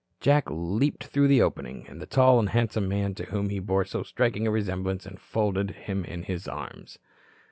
Jack leaped through the opening, and the tall and handsome man, to whom he bore so striking a resemblance, enfolded him in his arms.